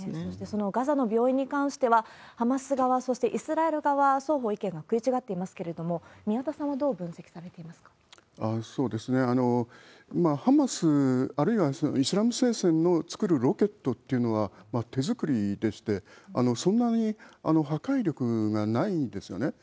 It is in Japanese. そして、そのガザの病院に関しては、ハマス側、そしてイスラエル側、双方意見が食い違っていますけれども、宮田さんはどう分ハマス、あるいはイスラム聖戦の作るロケットっていうのは、手造りでして、そんなに破壊力がないんですよね。